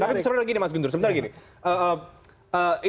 tapi sebenarnya begini mas guntur sebentar lagi